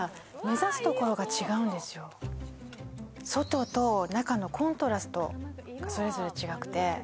外と中のコントラストがそれぞれ違くて。